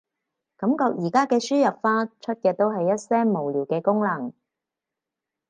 感覺而家嘅輸入法，出嘅都係一些無聊嘅功能